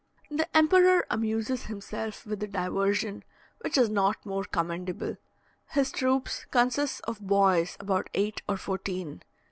The emperor amuses himself with a diversion which is not more commendable. His troops consist of boys about eight or fourteen.